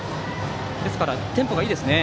ですからテンポがいいですね。